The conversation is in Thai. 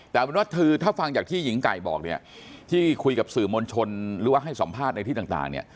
แต่ถ้าฟังจากที่หญิงไก่บอกที่คุยกับสื่อมณชนหรือว่าให้สอมภาษณ์ในที่ต่าง